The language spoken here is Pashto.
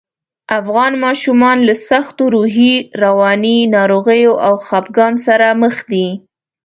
افغان ماشومان له سختو روحي، رواني ناروغیو او خپګان سره مخ دي